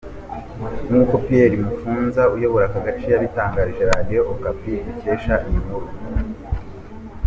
Nkuko Pierre Mufunza uyobora aka gace yabitangarije Radio Okapi dukesha iyi nkuru.